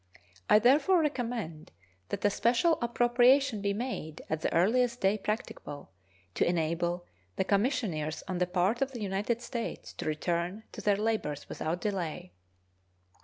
I therefore recommend that a special appropriation be made at the earliest day practicable, to enable the commissioners on the part of the United States to return to their labors without delay.